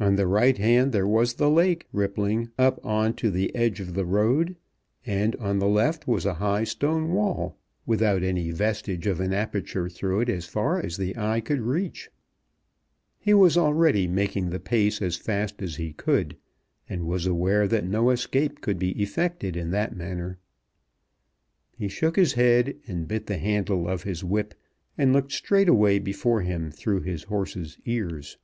On the right hand there was the lake rippling up on to the edge of the road, and on the left was a high stone wall, without any vestige of an aperture through it as far as the eye could reach. He was already making the pace as fast as he could, and was aware that no escape could be effected in that manner. He shook his head, and bit the handle of his whip, and looked straight away before him through his horse's ears.